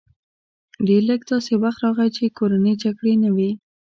ډېر لږ داسې وخت راغی چې کورنۍ جګړې نه وې